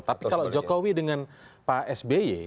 tapi kalau jokowi dengan pak sby